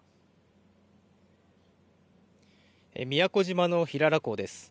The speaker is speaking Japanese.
宮古島の平良港です。